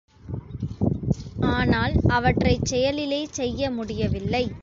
ஆனால் அவற்றைச் செயலிலே செய்ய முடியவில்லை.